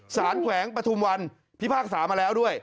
แขวงปฐุมวันพิพากษามาแล้วด้วย